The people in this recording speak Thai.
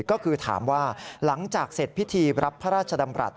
ก็คือถามว่าหลังจากเสร็จพิธีรับพระราชดำรัฐ